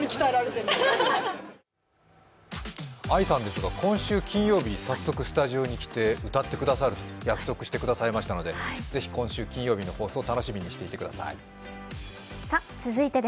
ＡＩさんですが、今週金曜日、早速スタジオに来て、歌ってくださると約束してくださったのでぜひ今週金曜日の放送を楽しみにしていてください。